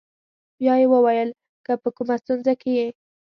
بیا یې وویل: که په کومه ستونزه کې یې.